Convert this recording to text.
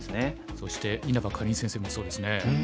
そして稲葉かりん先生もそうですね。